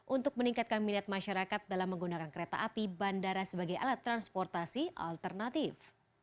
untuk meningkatkan minat masyarakat dalam menggunakan kereta api bandara sebagai alat transportasi alternatif